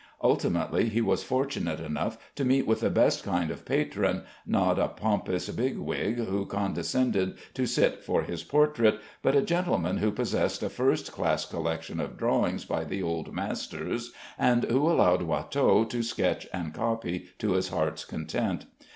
Ultimately he was fortunate enough to meet with the best kind of patron, not a pompous big wig who condescended to sit for his portrait, but a gentleman who possessed a first class collection of drawings by the old masters, and who allowed Watteau to sketch and copy to his heart's content.